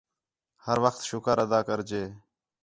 ہر وخت شُکر ادا کریڄے